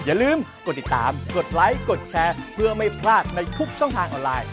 อย่าลืมกดติดตามกดไลค์กดแชร์เพื่อไม่พลาดในทุกช่องทางออนไลน์